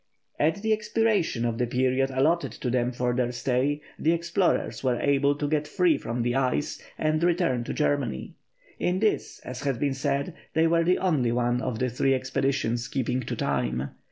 At the expiration of the period allotted to them for their stay, the explorers were able to get free from the ice, and return to Germany. In this, as has been said, they were the only one of the three expeditions keeping to time.